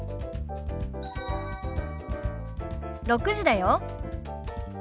６時だよ。